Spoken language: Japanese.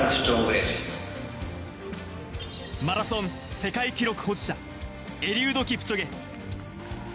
マラソン世界記録保持者、エリウド・キプチョゲ。